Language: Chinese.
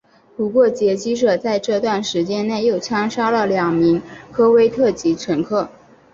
不过劫机者在这段时间内又枪杀了两名科威特籍乘客。